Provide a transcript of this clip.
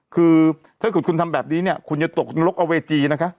คือถ้าเกิดคุณทำแบบนี้เนี่ยคุณจะตกนรกเอาเวทีนะคะ